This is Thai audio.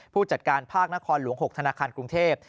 ผู้จัดการภาคนครหลวง๖ธนาคารกรุงเทพ